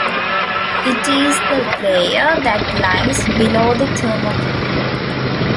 It is the layer that lies below the thermocline.